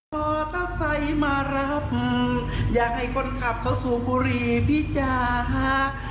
ต่อตัสไส่มารับอย่าให้คนคับเข้าสู่บุรีพิจารณะ